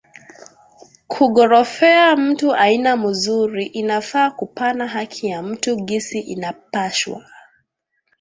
ku gorofea mutu aina muzuri inafaa kupana haki ya mutu gisi inapashwa